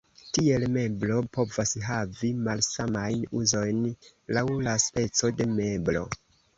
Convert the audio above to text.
Tiel, meblo povas havi malsamajn uzojn laŭ la speco de meblo.